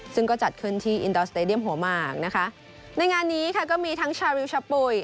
ซึ่งก็จัดขึ้นที่อินดอร์สเตดียมหัวหมากนะคะในงานนี้ค่ะก็มีทั้งชาริวชะปุ๋ย